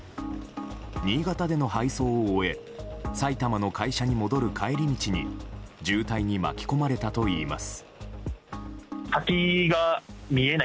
新潟での配送を終え埼玉の会社に戻る帰り道に渋滞に巻き込まれたといいます。